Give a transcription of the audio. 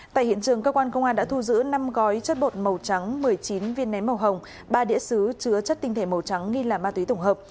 tại hiện trường cơ quan công an đã thu giữ năm gói chất bột màu trắng một mươi chín viên nén màu hồng ba đĩa xứ chứa chất tinh thể màu trắng nghi là ma túy tổng hợp